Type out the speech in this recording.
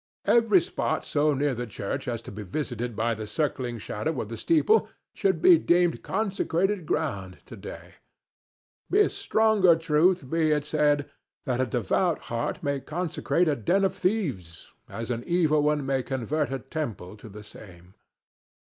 Every spot so near the church as to be visited by the circling shadow of the steeple should be deemed consecrated ground to day. With stronger truth be it said that a devout heart may consecrate a den of thieves, as an evil one may convert a temple to the same.